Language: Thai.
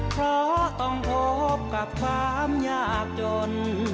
เพราะต้องพบกับความยากจน